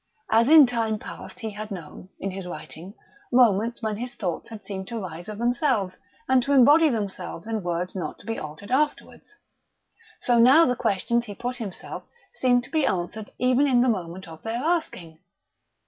As in time past he had known, in his writing, moments when his thoughts had seemed to rise of themselves and to embody themselves in words not to be altered afterwards, so now the questions he put himself seemed to be answered even in the moment of their asking.